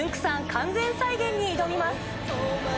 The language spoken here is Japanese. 完全再現に挑みます。